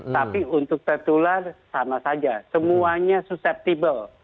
tapi untuk tertular sama saja semuanya suceptible